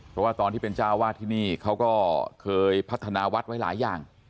เพราะว่าตอนที่เป็นเจ้าวาดที่นี่เขาก็เคยพัฒนาวัดไว้หลายอย่าง